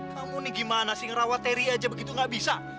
kamu nih gimana sih ngerawat teri aja begitu gak bisa